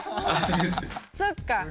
そっか。